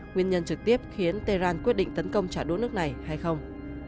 nguyên nhân trực tiếp khiến tehran quyết định tấn công trả đũa nước này hay không